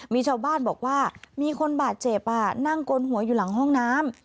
มีชาวบ้านบอกว่ามีคนบาดเจ็บนั่งกลหัวอยู่หลังห้องน้ำ